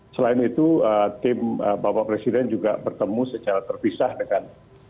selain itu tim bapak presiden juga bertemu secara terpisah dengan